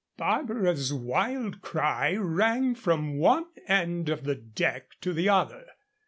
Barbara's wild cry rang from one end of the deck to the other.